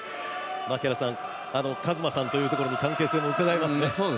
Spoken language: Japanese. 「和真さん」というところに関係性もうかがえますね。